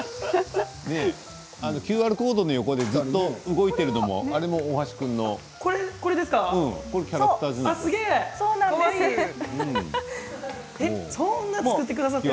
ＱＲコードの横でずっと動いているのもあれも大橋君のキャラクターじゃない？